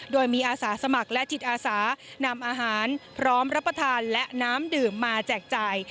โดยมีอาสาสมัครและจิตอาสานำอาหารพร้อมรับประทานและน้ำดื่มมาแจกจ่าย